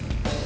eh mbak be